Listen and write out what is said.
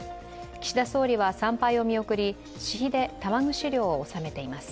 岸田総理は参拝を見送り、私費で玉串料を納めています。